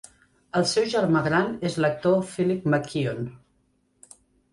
El seu germà gran és l'actor Philip McKeon.